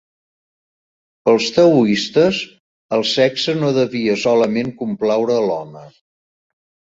Pels taoistes, el sexe no devia solament complaure a l'home.